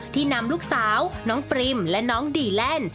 นำลูกสาวน้องปริมและน้องดีแลนด์